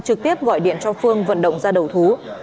trực tiếp gọi điện cho phương vận động ra đầu thú